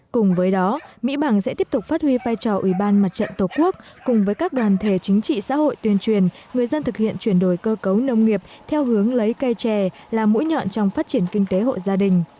cùng với đó mỹ bằng sẽ tiếp tục phát huy vai trò ủy ban mặt trận tổ quốc cùng với các đoàn thể chính trị xã hội tuyên truyền người dân thực hiện chuyển đổi cơ cấu nông nghiệp theo hướng lấy cây trẻ là mũi nhọn trong phát triển kinh tế hộ gia đình